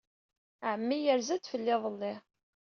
Ɛemmi yerza-d fell-i iḍelli.